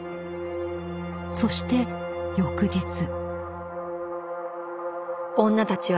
そして翌日。